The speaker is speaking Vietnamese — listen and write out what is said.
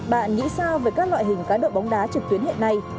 bạn nghĩ sao về các loại hình cá độ bóng đá trực tuyến hiện nay